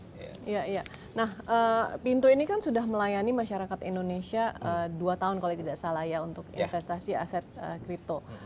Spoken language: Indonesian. iya iya nah pintu ini kan sudah melayani masyarakat indonesia dua tahun kalau tidak salah ya untuk investasi aset kripto